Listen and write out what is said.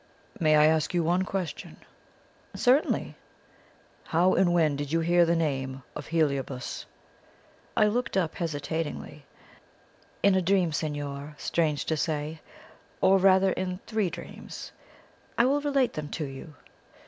"May I ask you one question?" "Certainly." "How and where did you hear the name of Heliobas?" I looked up hesitatingly. "In a dream, signor, strange to say; or rather in three dreams. I will relate them to you."